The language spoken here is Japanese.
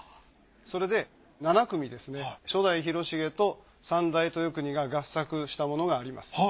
それで７組ですね初代広重と三代豊国が合作したものがあります。